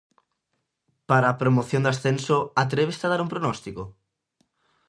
Para a promoción de ascenso, atréveste a dar un prognóstico?